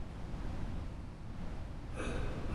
He spent the next two years with the Minnesota Vikings.